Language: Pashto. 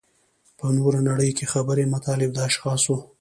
په نوره نړۍ کې خبري مطالب د اشخاصو.